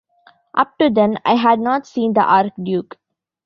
Up to then I had not seen the Archduke.